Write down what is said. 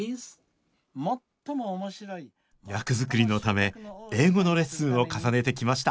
役作りのため英語のレッスンを重ねてきました